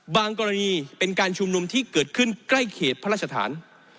กรณีเป็นการชุมนุมที่เกิดขึ้นใกล้เขตพระราชฐาน